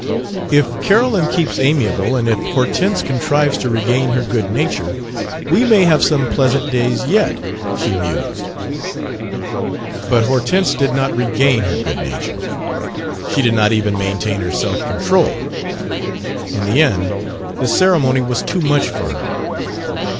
"If Carolyn keeps amiable and if Hortense contrives to regain her good nature, we may have some pleasant days yet," she mused. But Hortense did not regain her good nature; she did not even maintain her self control. In the end, the ceremony was too much for her.